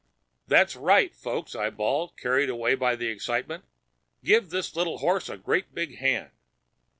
"That's right, folks!" I bawled, carried away by the excitement. "Give this little horse a great big hand!"